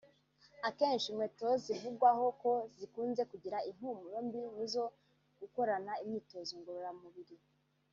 Akenshi inkweto zivugwaho ko zikunze kugira impumuro mbi ni izo gukorana imyitozo ngororamubiri